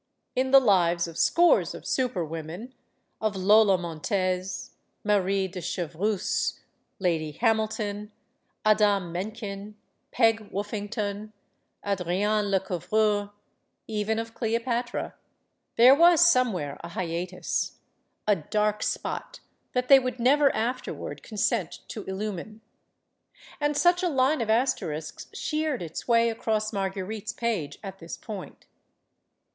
In the lives of scores of super women of Lola Mbntez, Marie de Chevreuse, Lady Hamilton, Adah Menken, Peg Wof fington, Adrienne Lecouvreur, even of Cleopatra there was somewhere a hiatus, a "dark spot" that 210 STORIES OF THE SUPER WOMEN they would never afterward consent to illumine. And such a line of asterisks sheared its way across Mar guerite's page at this point.